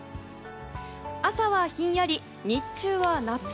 朝はひんやり、日中は夏。